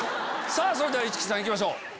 それでは市來さん行きましょう。